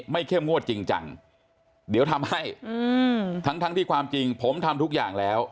เข้มงวดจริงจังเดี๋ยวทำให้ทั้งที่ความจริงผมทำทุกอย่างแล้ว